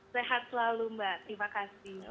sehat selalu mbak terima kasih